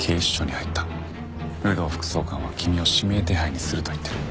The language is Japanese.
有働副総監は君を指名手配にすると言ってる。